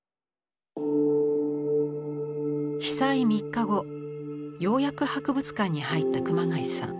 被災３日後ようやく博物館に入った熊谷さん